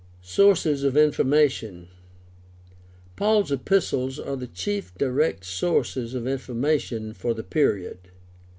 Sources of information. — Paul's epistles are the chief direct sources of information for the period.